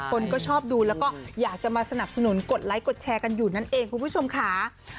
คนก็ชอบดูแล้วก็อยากจะมาสนับสนุนกดไลค์กดแชร์กันอยู่นั่นเองคุณผู้ชมค่ะ